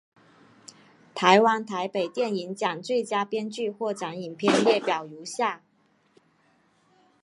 台湾台北电影奖最佳编剧获奖影片列表如下。